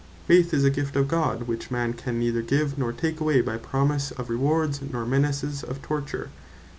Faith is a gift of God, which Man can neither give, nor take away by promise of rewards, or menaces of torture.